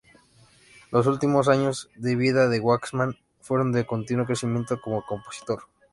Los últimos años de vida de Waxman fueron de continuo crecimiento como compositor.